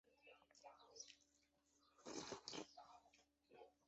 格里普和费尔罗还发现了他们理论中的其他问题。